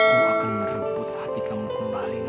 kau akan merebut hati kamu kembali